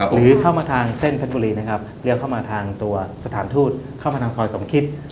หรือเข้ามาทางเส้นเพชรบุรีนะครับเลี้ยวเข้ามาทางตัวสถานทูตเข้ามาทางซอยสมคิด